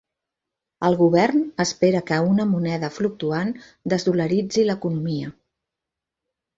El govern espera que una moneda fluctuant "desdolaritzi" l'economia.